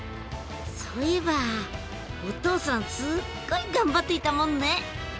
そういえばお父さんすっごい頑張っていたもんね！